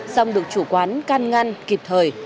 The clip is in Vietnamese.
xong được chủ quán can ngăn kịp thời